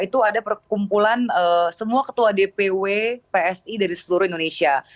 itu ada perkumpulan semua ketua dpw psi dari seluruh indonesia